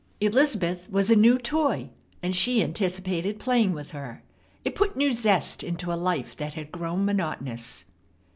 Elizabeth was a new toy, and she anticipated playing with her. It put new zest into a life that had grown monotonous.